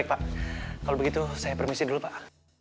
pak kalau begitu saya permisi dulu pak